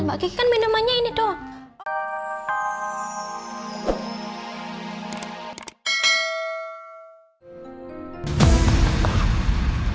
mbak kiki kan minumannya ini doang